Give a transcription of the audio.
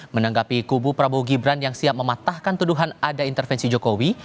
menanggapi kubu prabowo gibran yang siap mematahkan tuduhan ada intervensi jokowi